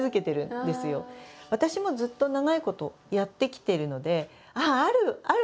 私もずっと長いことやってきてるのでああある！